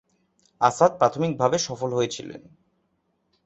আসাদ প্রাথমিকভাবে সফল হয়েছিলেন।